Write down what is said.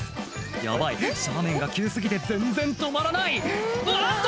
ヤバい斜面が急過ぎて全然止まらないうわっと！